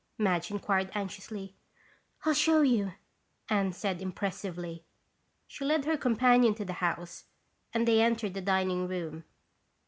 Madge inquired anxiously. "I'll show you," Anne said impressively. She led her companion to the house and they entered the dining room.